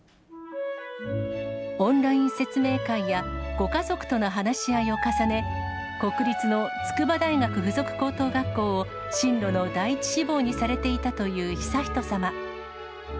オンライン説明会や、ご家族との話し合いを重ね、国立の筑波大学附属高等学校を進路の第一志望にされていたという悠仁さま。